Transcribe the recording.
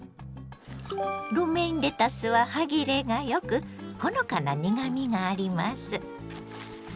ロメインレタスは歯切れがよくほのかな苦みがあります。